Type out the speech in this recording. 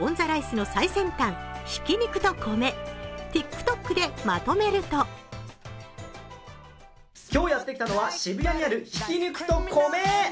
オンザライスの最先端、挽肉と米ＴｉｋＴｏｋでまとめると今日やってきたのは渋谷にある、挽肉と米。